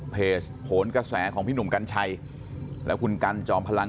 โหนกระแสของพี่หนุ่มกัญชัยและคุณกันจอมพลัง